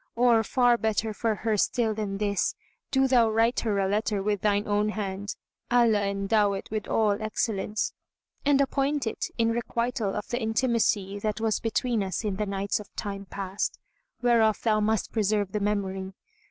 Or, far better for her still than this, do thou write her a letter with thine own hand (Allah endow it with all excellence!), and appoint it in requital of the intimacy that was between us in the nights of time past, whereof thou must preserve the memory.